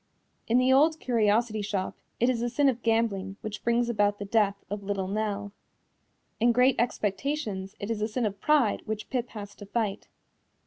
In The Old Curiosity Shop it is the sin of gambling which brings about the death of Little Nell. In Great Expectations it is the sin of pride which Pip has to fight.